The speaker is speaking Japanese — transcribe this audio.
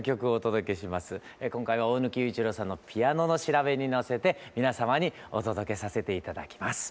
今回は大貫祐一郎さんのピアノの調べにのせて皆様にお届けさせて頂きます。